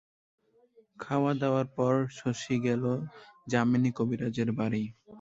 খাওয়াদাওয়ার পর শশী গেল যামিনী কবিরাজের বাড়ি।